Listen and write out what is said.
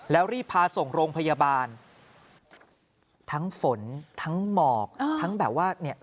แล้วรีบพาส่งโรงพยาบาลทั้งฝนทั้งหมอกทั้งแบบว่าเนี่ย